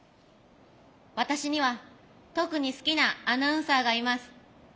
私には特に好きなアナウンサーがいます。